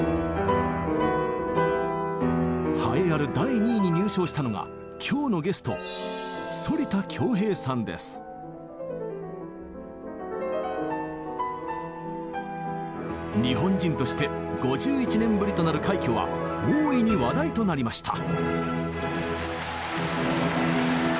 栄えある第２位に入賞したのが今日のゲスト日本人として５１年ぶりとなる快挙は大いに話題となりました。